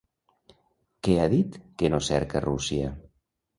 Què ha dit que no cerca Rússia?